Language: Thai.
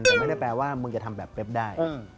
แต่ไม่ได้แปลว่ามึงจะทำแบบเป๊บได้